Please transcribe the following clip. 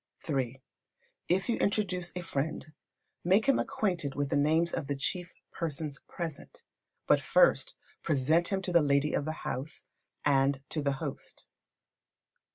iii. If you introduce a friend, make him acquainted with the names of the chief persons present. But first present him to the lady of the house, and to the host.